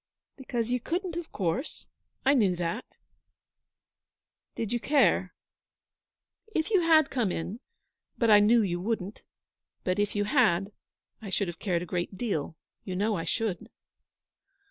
'Because you couldn't of course. I knew that.' 'Did you care?' 'If you had come in but I knew you wouldn't but if you had, I should have cared a great deal. You know I should.'